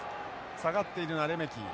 下がっているのはレメキ。